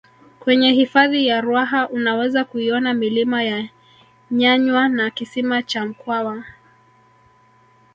kwenye hifadhi ya ruaha unaweza kuiona milima ya nyanywa na kisima cha mkwawa